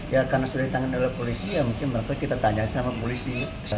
ya karena sudah ditangani oleh polisi ya mungkin mereka tanya sama polisi